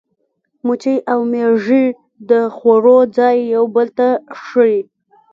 مچۍ او مېږي د خوړو ځای یو بل ته ښيي.